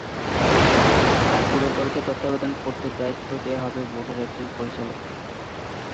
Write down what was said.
আর পুরো দলকে তত্ত্বাবধান করতে দায়িত্ব দেওয়া হবে বোর্ডের একজন পরিচালককে।